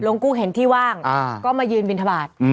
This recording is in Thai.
กุ้งเห็นที่ว่างก็มายืนบินทบาท